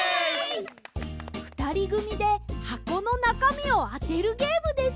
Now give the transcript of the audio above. ふたりぐみではこのなかみをあてるゲームです。